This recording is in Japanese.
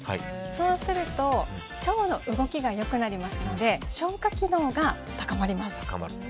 そうすると腸の動きがよくなりますので消化機能が高まります。